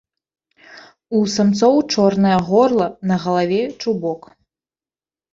У самцоў чорнае горла, на галаве чубок.